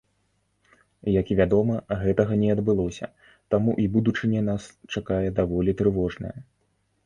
Як вядома, гэтага не адбылося, таму і будучыня нас чакае даволі трывожная.